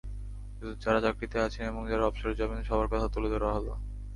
যাঁরা চাকরিতে আছেন এবং যাঁরা অবসরে যাবেন, সবার কথা তুলে ধরা হলো।